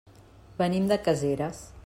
Venim de Caseres.